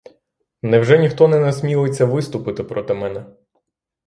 Невже ніхто не насмілиться виступити проти мене?